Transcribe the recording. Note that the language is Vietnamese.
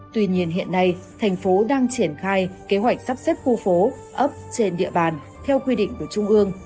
tuy nhiên hiện nay thành phố đang triển khai kế hoạch sắp xếp khu phố ấp trên địa bàn theo quy định của trung ương